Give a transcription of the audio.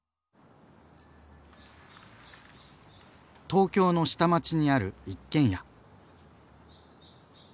東京の下町にある一軒家。